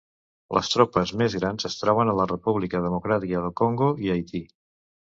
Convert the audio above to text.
Les tropes més grans es troben a la República Democràtica del Congo i a Haití.